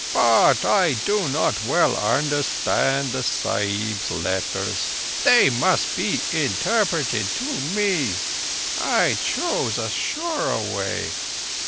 "But I do not well understand Sahibs' letters. They must be interpreted to me. I chose a surer way.